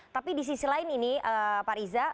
tapi di sisi lain ini pak riza